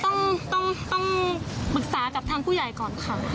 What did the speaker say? ต้องต้องปรึกษากับทางผู้ใหญ่ก่อนค่ะ